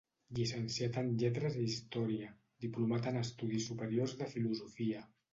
Llicenciat en lletres i història, Diplomat en estudis superiors de filosofia.